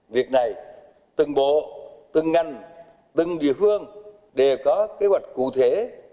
việc này từng bộ từng ngành từng địa phương đều có kế hoạch cụ thể